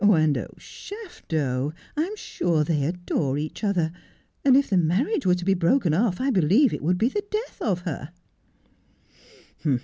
And oh, Shafto, I'm sure they adore each other ; and if the marriage were to be broken off I believe it would be the death of her.'